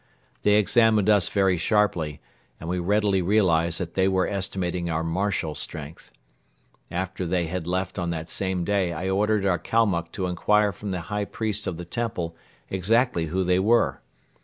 They examined us very sharply and we readily realized that they were estimating our martial strength. After they had left on that same day I ordered our Kalmuck to inquire from the High Priest of the temple exactly who they were.